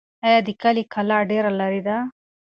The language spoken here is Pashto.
آیا د کلي کلا ډېر لرې ده؟